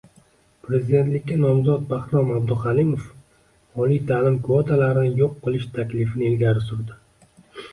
Prezidentlikka nomzod Bahrom Abduhalimov oliy ta’lim kvotalarini yo‘q qilish taklifini ilgari surdi